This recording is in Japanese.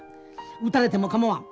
打たれてもかまわん。